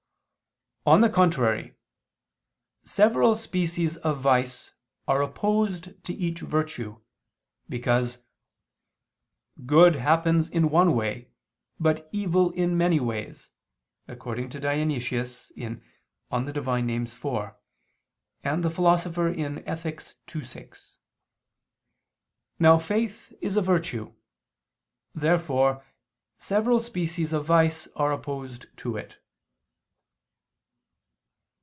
On the contrary, Several species of vice are opposed to each virtue, because "good happens in one way, but evil in many ways," according to Dionysius (Div. Nom. iv) and the Philosopher (Ethic. ii, 6). Now faith is a virtue. Therefore several species of vice are opposed to it.